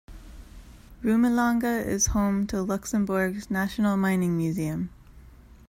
Rumelange is home to Luxembourg's National Mining Museum.